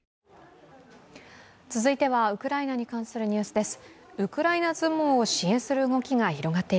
続いてはウクライナに関するニュースです。